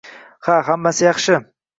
Ha hammasi yaxshi.